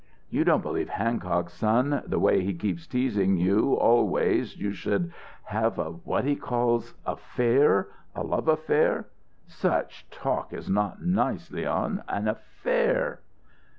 You don't believe Hancock, son, the way he keeps teasing you always you should have a what he calls affair a love affair? Such talk is not nice, Leon an affair!"